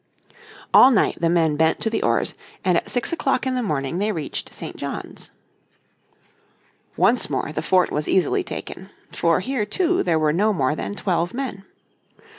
All night the men bent to the oars, and at six o'clock in the morning they reached St. John's. Once more the fort was easily taken. For here too, there were no more than twelve men.